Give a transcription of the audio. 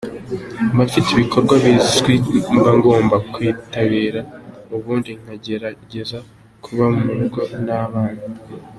Mba mfite ibikorwa bizwi mba ngomba kwitabira, ubundi nkagerageza kuba mu rugo n’abana.